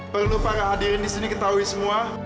perlu para hadirin di sini ketahui semua